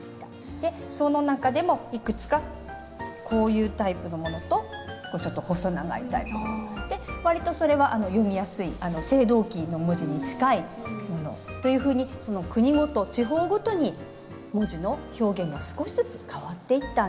でその中でもいくつかこういうタイプのものとちょっと細長いタイプとか割とそれは読みやすい青銅器の文字に近いものというふうに国ごと地方ごとに文字の表現が少しずつ変わっていったんです。